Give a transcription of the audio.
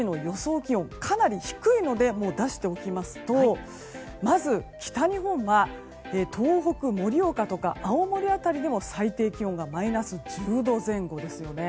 気温かなり低いので出しておきますとまず北日本は東北、盛岡とか青森辺りでも最低気温がマイナス１０度前後ですよね。